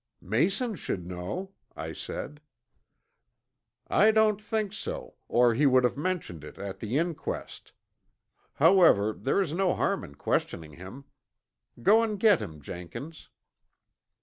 "Mason should know," I said. "I don't think so, or he would have mentioned it at the inquest. However, there is no harm in questioning him. Go and get him, Jenkins."